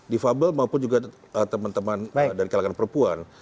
difable maupun juga teman teman dari kelakaran perusahaan